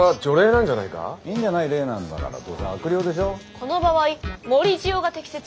この場合盛り塩が適切かと。